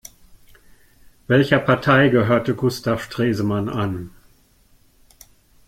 Welcher Partei gehörte Gustav Stresemann an?